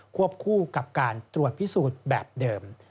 วบคู่กับการตรวจพิสูจน์แบบเดิม